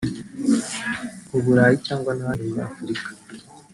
u Burayi cyangwa n’ahandi muri Afurika